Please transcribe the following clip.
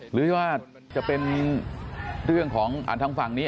หรือว่าจะเป็นเรื่องของทางฝั่งนี้